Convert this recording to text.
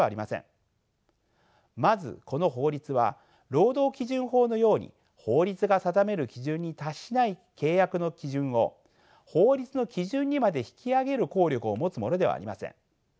まずこの法律は労働基準法のように法律が定める基準に達しない契約の基準を法律の基準にまで引き上げる効力を持つものではありません。